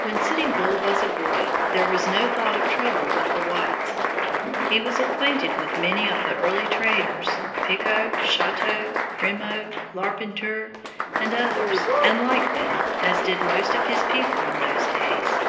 When Sitting Bull was a boy, there was no thought of trouble with the whites. He was acquainted with many of the early traders, Picotte, Choteau, Primeau, Larpenteur, and others, and liked them, as did most of his people in those days.